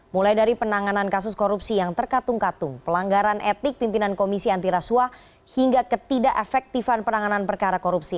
mulai dari penanganan kasus korupsi yang terkatung katung pelanggaran etik pimpinan komisi antirasuah hingga ketidak efektifan penanganan perkara korupsi